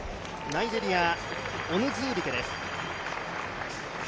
ナイジェリア、オヌズーリケです。